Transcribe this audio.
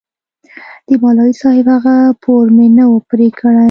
د مولوي صاحب هغه پور مې نه و پرې كړى.